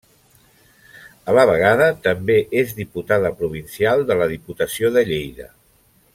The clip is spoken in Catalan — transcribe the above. A la vegada també és diputada provincial de la Diputació de Lleida.